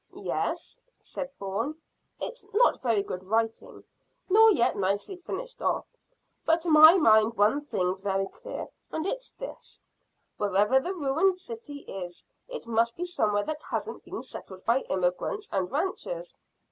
"Yes," said Bourne. "It's not very good writing, nor yet nicely finished off, but to my mind one thing's very clear, and it's this: wherever the ruined city is it must be somewhere that hasn't been settled by emigrants and ranchers."